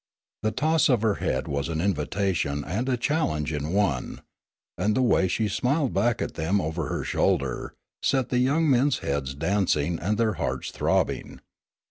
The toss of her head was an invitation and a challenge in one, and the way she smiled back at them over her shoulder, set the young men's heads dancing and their hearts throbbing.